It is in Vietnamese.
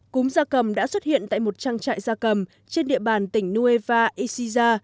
cúm da cầm đã xuất hiện tại một trang trại da cầm trên địa bàn tỉnh nueva ixiza